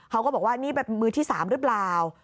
เขาก็บอกว่านี่เป็นมือที่๓หรือเปล่า